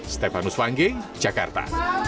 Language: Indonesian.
stefanus wangge jakarta